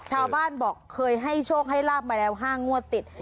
ชาวบ้านบอกเคยให้โชคให้ลาบมาแล้ว๕งวดติด